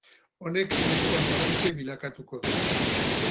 Honek bere amorante bilakatuko du.